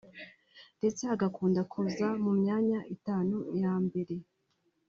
ndetse agakunda kuza mu myanya utanu ya mbere